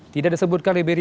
tidak disebutkan libiri